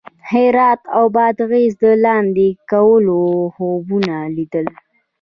هرات او بادغیس د لاندې کولو خوبونه لیدل.